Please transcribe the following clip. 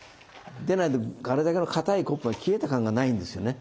でないとあれだけの固いコップが消えた感がないんですよね。